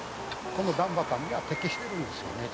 この段畑には適してるんですよね